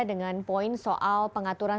dengan poin soal pengaturan